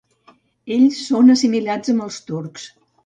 Ells són assimilats amb els turcs.